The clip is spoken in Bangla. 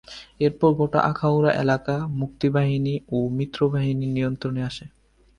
এরপর গোটা আখাউড়া এলাকা মুক্তিবাহিনী ও মিত্রবাহিনীর নিয়ন্ত্রণে আসে।